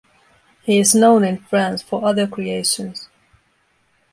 He is known in France for other creations.